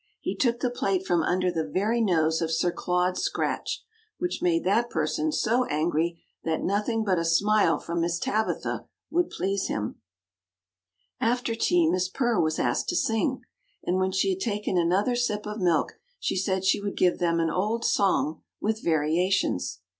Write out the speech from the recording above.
He took the plate from under the very nose of Sir Claude Scratch, which made that person so angry, that nothing but a smile from Miss Tabitha would please him. [Illustration: Miss Velvet Purr sings a song, which is much admired.] After tea Miss Purr was asked to sing, and when she had taken another sip of milk she said she would give them an old song with variations.